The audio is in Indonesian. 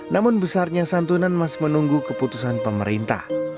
namun besarnya santunan masih menunggu keputusan pemerintah